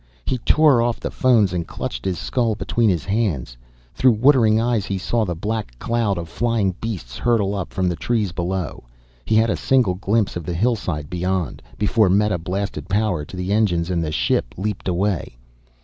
He tore off the phones, and clutched his skull between his hands. Through watering eyes he saw the black cloud of flying beasts hurtle up from the trees below. He had a single glimpse of the hillside beyond, before Meta blasted power to the engines and the ship leaped away.